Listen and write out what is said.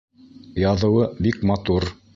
Яҙыуы бик матур.